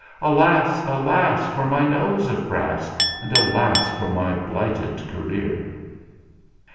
Alas, alas! for my nose of brass, And alas ! for my blighted career."